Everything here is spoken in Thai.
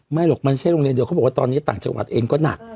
หรอกมันใช่โรงเรียนเดียวเขาบอกว่าตอนนี้ต่างจังหวัดเองก็หนัก